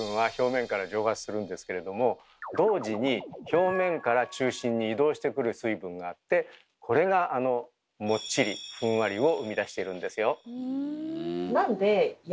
もちろん同時に表面から中心に移動してくる水分があってこれがあのもっちり・ふんわりを生み出しているんですよ。